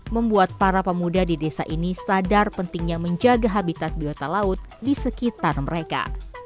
membuat para pemuda di desa ini sadar pentingnya menjaga habitat biota laut di sekitar mereka